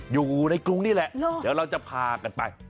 อยู่ในกรุงนี่แหละเดี๋ยวเราจะพากันไป